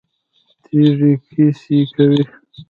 تیږې کیسې کوي.